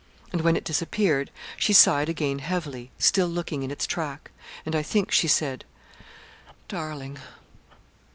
And when it disappeared, she sighed again heavily, still looking in its track; and I think she said 'Darling!'